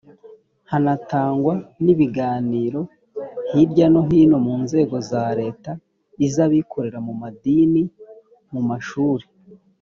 hanatangwa n ibiganiro hirya no hino mu nzego za leta iz abikorera mu madini mu mashuri